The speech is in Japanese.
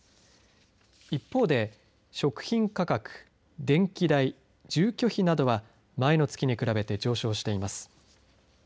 一方で食品価格、電気代住居費などは前の月に比べて上昇しています。